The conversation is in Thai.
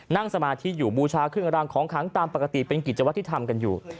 สมาธิอยู่บูชาเครื่องรางของขังตามปกติเป็นกิจวัตรที่ทำกันอยู่